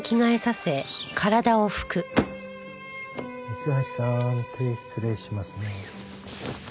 三橋さん手失礼しますね。